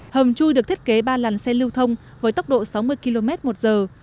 hầm chui được thiết kế ba làn xe lưu thông với tốc độ sáu mươi km một giờ